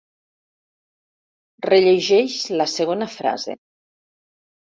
Rellegeix la segona frase.